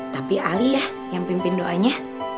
tapi ali ya yang pimpin doanya